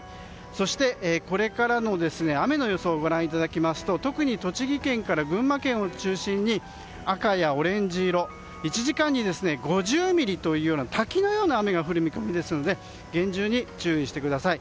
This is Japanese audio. そして、これからの雨の予想をご覧いただきますと特に栃木県から群馬県を中心に赤やオレンジ色１時間に５０ミリという滝のような雨が降る見込みなので厳重に注意してください。